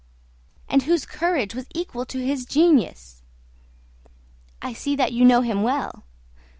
"And whose courage was equal to his genius!" "I see that you know him well."